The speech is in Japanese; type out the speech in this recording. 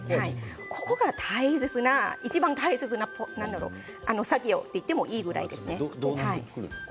ここが大切な、いちばん大切な作業といってもいいぐらいです。